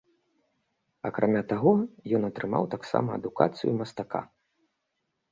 Акрамя таго, ён атрымаў таксама адукацыю мастака.